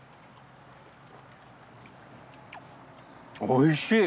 おいしい！